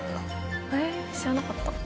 知らなかった。